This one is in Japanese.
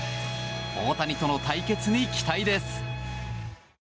大谷との対決に期待です。